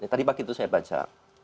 tadi pagi itu saya baca